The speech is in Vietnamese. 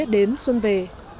đến xuân về